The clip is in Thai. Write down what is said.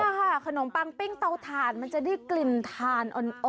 นี่ค่ะขนมปังปิ้งเตาถ่านมันจะได้กลิ่นทานอ่อน